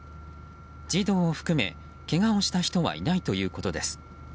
児童を含め、けがをした人はいないということです。